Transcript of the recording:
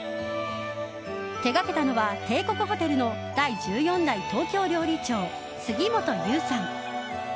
手がけたのは帝国ホテルの第１４代東京料理長・杉本雄さん。